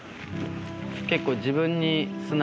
結構。